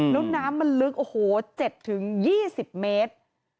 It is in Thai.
แล้วน้ำมันลึก๗๒๐เมตร